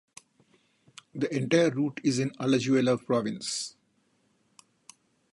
The entire route is in Alajuela province.